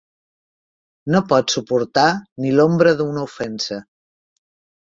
No pot suportar ni l'ombra d'una ofensa.